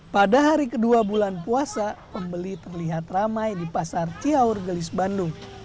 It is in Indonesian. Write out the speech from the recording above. pada hari kedua bulan puasa pembeli terlihat ramai di pasar ciaur gelis bandung